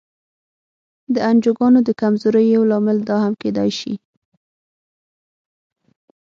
د انجوګانو د کمزورۍ یو لامل دا هم کېدای شي.